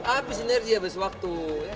habis energi habis waktu